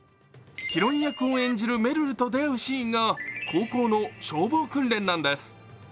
ヒロイン役を演じるめるると出会うシーンが高校の消防訓練なんです。